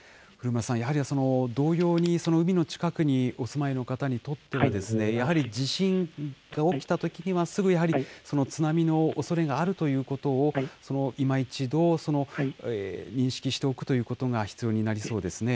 古村さん、やはり同様に海の近くにお住まいの方にとっては、やはり地震が起きたときにはすぐやはり津波のおそれがあるということを、いま一度、認識しておくということが必要になりそうです